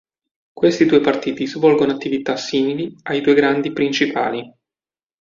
Questi due partiti svolgono attività simili ai due grandi principali.